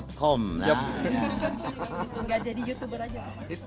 tunggah jadi youtuber aja pak